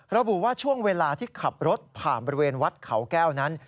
ระบุว่าช่วงเวลาที่ขับรถผ่านบริเวณวัดเขาแก้วนั้น